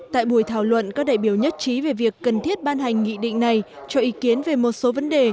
tại buổi thảo luận các đại biểu nhất trí về việc cần thiết ban hành nghị định này cho ý kiến về một số vấn đề